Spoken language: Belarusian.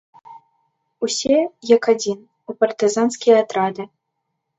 Усе, як адзін, у партызанскія атрады!